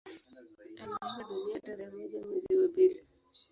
Aliaga dunia tarehe moja mwezi wa pili